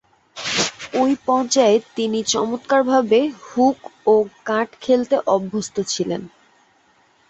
ঐ পর্যায়ে তিনি চমৎকারভাবে হুক ও কাট খেলতে অভ্যস্ত ছিলেন।